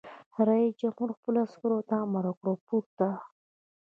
رئیس جمهور خپلو عسکرو ته امر وکړ؛ پورته!